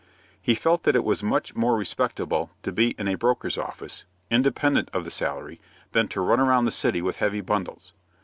He felt that it was much more respectable to be in a broker's office, independent of the salary, than to run around the city with heavy bundles.